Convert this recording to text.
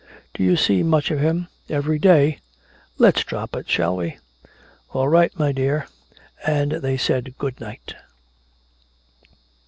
"Do you see much of him?" "Every day. Let's drop it. Shall we?" "All right, my dear " And they said good night